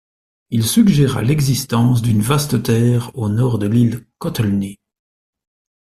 Il suggéra l'existence d'une vaste terre au nord de l'île Kotelny.